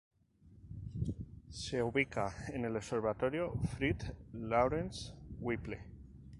Se ubica en el Observatorio Fred Lawrence Whipple.